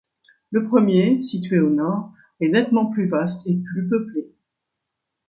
Le premier, situé au nord, est nettement plus vaste et plus peuplé.